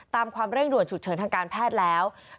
ความเร่งด่วนฉุกเฉินทางการแพทย์แล้ว